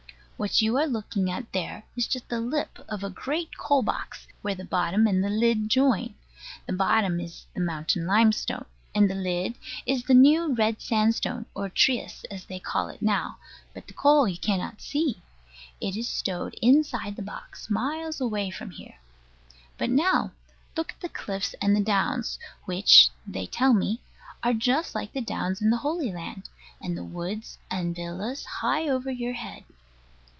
What you are looking at there is just the lip of a great coal box, where the bottom and the lid join. The bottom is the mountain limestone; and the lid is the new red sandstone, or Trias, as they call it now: but the coal you cannot see. It is stowed inside the box, miles away from here. But now, look at the cliffs and the downs, which (they tell me) are just like the downs in the Holy Land; and the woods and villas, high over your head.